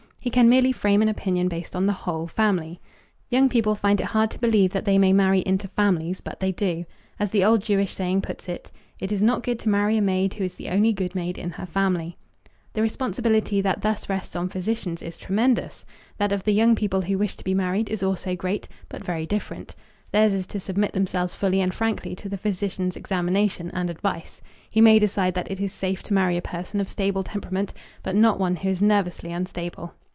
He can merely frame an opinion based on the whole family. Young people find it hard to believe that they marry into families, but they do. As the old Jewish saying puts it, "It is not good to marry a maid who is the only good maid in her family." The responsibility that thus rests on physicians is tremendous. That of the young people who wish to be married is also great, but very different. Theirs is to submit themselves fully and frankly to the physician's examination and advice. He may decide that it is safe to marry a person of stable temperament, but not one who is nervously unstable.